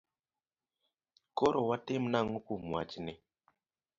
Koro watim nang'o kuom wachni?